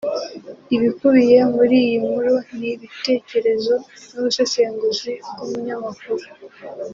Ibikubiye muri iyi nkuru ni ibitekerezo n'ubusesenguzi bw'umunyamakuru